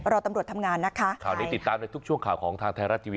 รอตำรวจทำงานนะคะข่าวนี้ติดตามในทุกช่วงข่าวของทางไทยรัฐทีวี